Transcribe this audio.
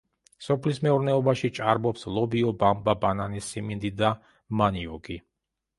სოფლის მეურნეობაში ჭარბობს ლობიო, ბამბა, ბანანი, სიმინდი და მანიოკი.